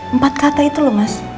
empat kata itu loh mas